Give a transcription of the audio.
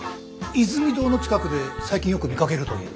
イズミ堂の近くで最近よく見かけるという。